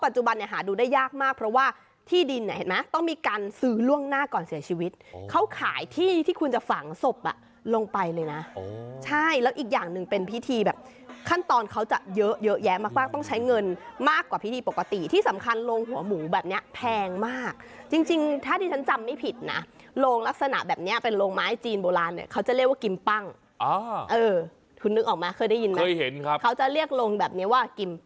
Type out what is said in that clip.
หาดูได้ยากมากเพราะว่าที่ดินต้องมีการซื้อล่วงหน้าก่อนเสียชีวิตเขาขายที่ที่คุณจะฝังศพลงไปเลยนะใช่แล้วอีกอย่างหนึ่งเป็นพิธีแบบขั้นตอนเขาจะเยอะแยะมากต้องใช้เงินมากกว่าพิธีปกติที่สำคัญโรงหัวหมูแบบนี้แพงมากจริงถ้าที่ฉันจำไม่ผิดนะโรงลักษณะแบบนี้เป็นโรงไม้จีนโบราณเขาจะ